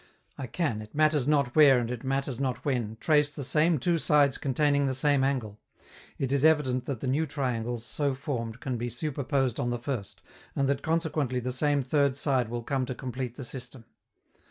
I can, it matters not where and it matters not when, trace the same two sides containing the same angle: it is evident that the new triangles so formed can be superposed on the first, and that consequently the same third side will come to complete the system.